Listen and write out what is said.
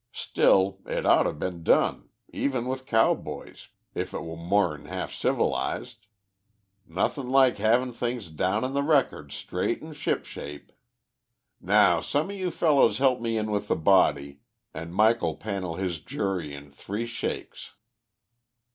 Still, it oughter been done, even with cowboys, if we were more'n half civilised. Nothin' like havin' things down on the record straight and shipshape. Now some o' you fellows help me in with the body, and Mike'll panel his jury in three shakes."